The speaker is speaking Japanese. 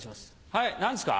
はい何ですか？